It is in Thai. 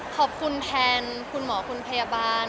ขอบคุณแทนคุณหมอคุณพยาบาล